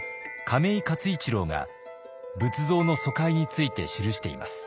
亀井勝一郎が仏像の疎開について記しています。